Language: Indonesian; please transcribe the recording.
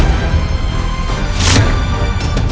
mereka mencari mati